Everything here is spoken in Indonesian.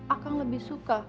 akang lebih suka